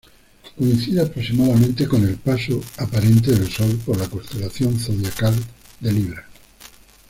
Coincide aproximadamente con el paso aparente del Sol por la constelación zodiacal de Libra.